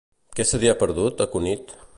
Què se t'hi ha perdut, a Cunit?